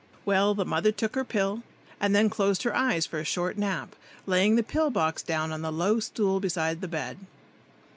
Well, the mother took her pill, and then closed her eyes for a short nap, laying the pill box down on the low stool beside the bed.